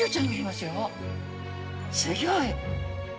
すギョい。